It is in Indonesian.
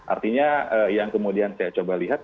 artinya yang kemudian saya coba lihat